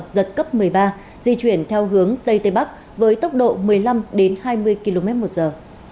giật cấp một mươi ba di chuyển theo hướng tây tây bắc với tốc độ một mươi năm hai mươi km một giờ